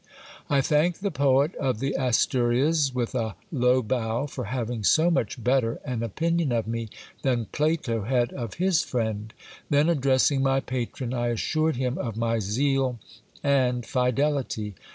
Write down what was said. I thanked the poet of the Asturias with a low bow, for having so much better an opinion of me than Plato had of his friend. Then addressing my patron, I assured him of my zeal and fidelity.